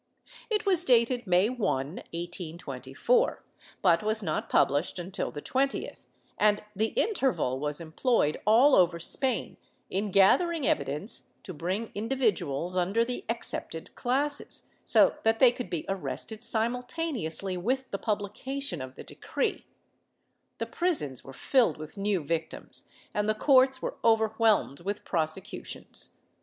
1 Koska ^'ayo, III, 175, 184. 452 DECADENCE AND EXTINCTION [Book IX It was dated May 1, 1824, but was not published until the 20th, and the interval was employed all over Spain in gathering evi dence to bring individuals under the excepted classes, so that they could be arrested simultaneously with the publication of the decree ; the prisons were filled with new victims, and the courts v/ere over whelmed with prosecutions.